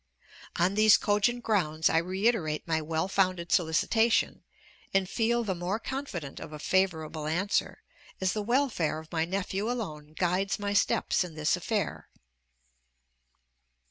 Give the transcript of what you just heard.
On these cogent grounds I reiterate my well founded solicitation, and feel the more confident of a favorable answer, as the welfare of my nephew alone guides my steps in this affair.